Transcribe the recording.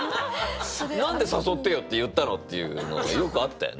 何で「誘ってよ」って言ったの？っていうのよくあったよね。